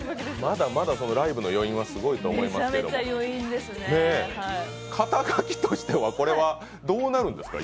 まだまだライブの余韻はすごいと思いますけど肩書としては今どうなるんですか？